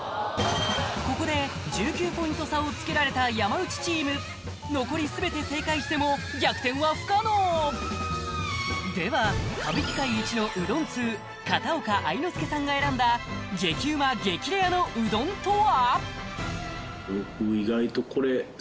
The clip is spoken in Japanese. ここで１９ポイント差をつけられた山内チーム残り全て正解しても逆転は不可能では歌舞伎界イチのうどん通片岡愛之助さんが選んだ激うま激レアのうどんとは？